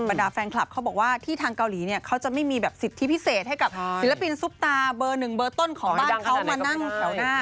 ดาแฟนคลับเขาบอกว่าที่ทางเกาหลีเนี่ยเขาจะไม่มีแบบสิทธิพิเศษให้กับศิลปินซุปตาเบอร์หนึ่งเบอร์ต้นของบ้านเขามานั่งแถวหน้า